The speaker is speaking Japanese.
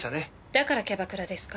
だからキャバクラですか？